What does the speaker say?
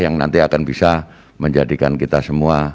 yang nanti akan bisa menjadikan kita semua